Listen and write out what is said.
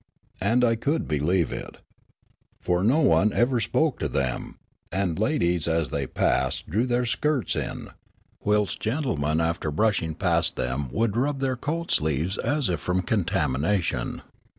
And I could believe it. For no one ever spoke to them, and ladies as they passed drew their skirts in, whilst gentle men after brushing past them would rub their coat sleeves as if from contamination.